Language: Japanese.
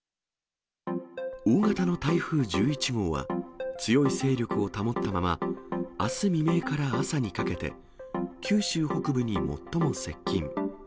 大型の台風１１号は、強い勢力を保ったまま、あす未明から朝にかけて、九州北部に最も接近。